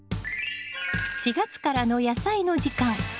４月からの「やさいの時間」